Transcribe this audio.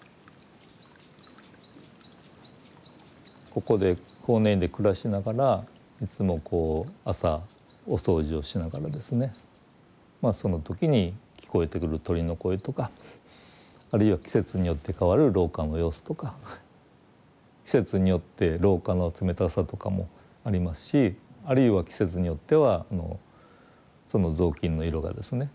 ここで法然院で暮らしながらいつもこう朝お掃除をしながらですねその時に聞こえてくる鳥の声とかあるいは季節によって変わる廊下の様子とか季節によって廊下の冷たさとかもありますしあるいは季節によってはその雑巾の色がですね